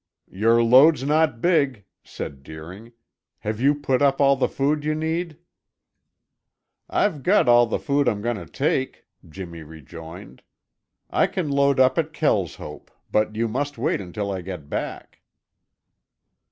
"Your load's not big," said Deering, "Have you put up all the food you need?" "I've got all the food I'm going to take," Jimmy rejoined. "I can load up at Kelshope, but you must wait until I get back."